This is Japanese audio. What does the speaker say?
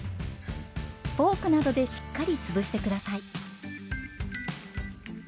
フォークなどでしっかりつぶして下さい。